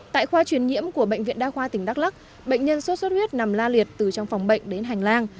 tại khoa truyền nhiễm của bệnh viện đa khoa tỉnh đắk lắc bệnh nhân sốt xuất huyết nằm la liệt từ trong phòng bệnh đến hành lang